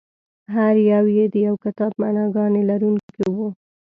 هر یو یې د یو کتاب معناګانې لرونکي وو.